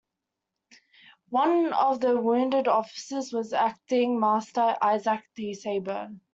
One of the wounded officers was Acting Master Isaac D. Seyburn.